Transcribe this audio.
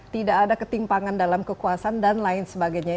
tidak ada ketimpangan dalam kekuasaan dan lain sebagainya